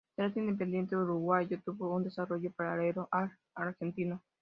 El teatro independiente uruguayo tuvo un desarrollo paralelo al argentino.